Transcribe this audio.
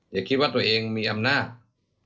อย่าคิดว่าตัวเองมีอำนาจ